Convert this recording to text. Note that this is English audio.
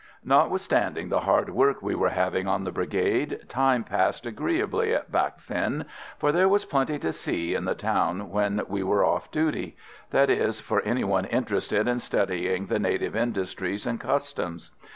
Notwithstanding the hard work we were having on the Brigade, time passed agreeably at Bac Ninh, for there was plenty to see in the town when we were off duty that is, for any one interested in studying the native industries and customs.